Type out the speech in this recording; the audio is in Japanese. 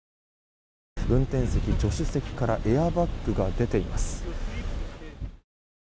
運転席、助手席からエアバッグが出ています。